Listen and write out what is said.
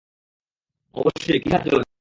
অবশ্যই, কী সাহায্য লাগবে?